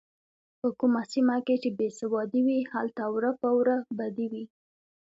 په کومه سیمه کې چې بې سوادي وي هلته وره په وره بدي وي.